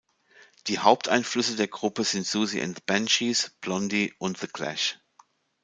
Die Haupteinflüsse der Gruppe sind Siouxsie and the Banshees, Blondie und The Clash.